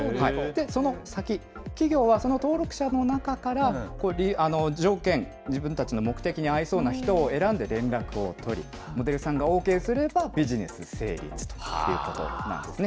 その先、企業はその登録者の中から、条件、自分たちの目的に合いそうな人を選んで、連絡を取り、モデルさんがＯＫすれば、ビジネス成立ということなんですね。